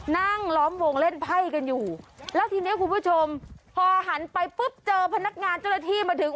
ล้อมวงเล่นไพ่กันอยู่แล้วทีนี้คุณผู้ชมพอหันไปปุ๊บเจอพนักงานเจ้าหน้าที่มาถึง